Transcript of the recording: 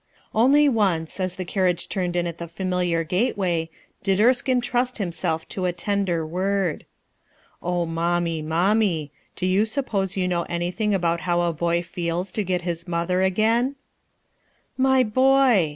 Only once, as the carriage turned in at the familiar gateway, did Erskino trust himself to a tender word: — 11 mommie, mommie 1 do you suppose you know anything about how a boy feels to get his mother again?" 319 320 RUTH ERSKINE'S SON "My boy!"